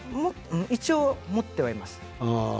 一応、持ってはいます。